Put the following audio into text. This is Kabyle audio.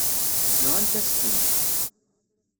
Nɣant-as-ten.